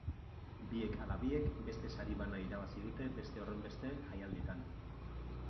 Biek ala biek, beste sari bana irabazi dute beste horrenbeste jaialditan.